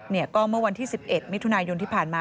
เนี่ยก็เมื่อวันที่๑๑มิถุนายนที่ผ่านมา